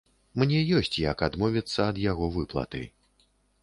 Мне ёсць як адмовіцца ад яго выплаты.